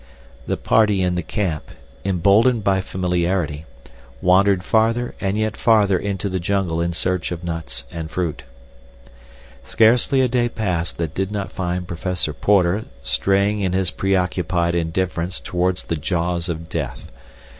The party in the camp, emboldened by familiarity, wandered farther and yet farther into the jungle in search of nuts and fruit. Scarcely a day passed that did not find Professor Porter straying in his preoccupied indifference toward the jaws of death.